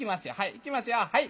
いきますよはい。